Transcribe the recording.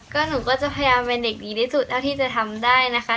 ก็หนูก็จะพยายามเป็นเด็กดีที่สุดเท่าที่จะทำได้นะคะ